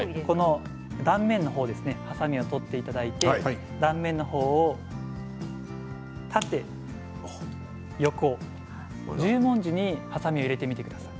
断面の方はさみを取っていただいて断面の方を縦横、十文字にはさみを入れてみてください。